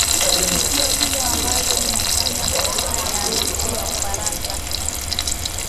tukio hilo ambalo limefanya baina ya nchi ya ufaransa